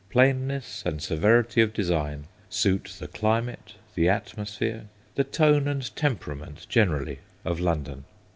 Plainness and severity of design suit the climate, the atmosphere, the tone and temperament generally, of London.